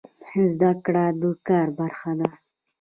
زده کړه د کار برخه ده